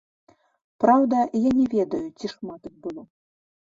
Праўда, я не ведаю, ці шмат іх было.